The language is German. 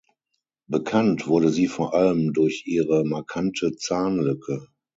Bekannt wurde sie vor allem durch ihre markante Zahnlücke.